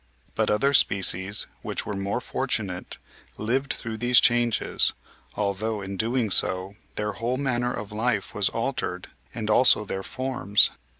But other species which were more fortunate lived through these changes, although, in doing so, their whole manner of life was altered and also their forms.